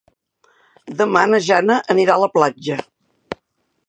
Demà na Jana anirà a la platja.